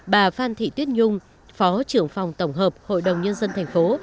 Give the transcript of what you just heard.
bà phan thị tuyết nhung phó trưởng phòng tổng hợp hội đồng nhân dân thành phố